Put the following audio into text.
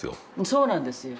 そうなんですよ。